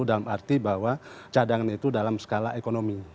dalam arti bahwa cadangan itu dalam skala ekonomi